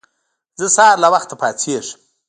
زه سهار له وخته پاڅيږم.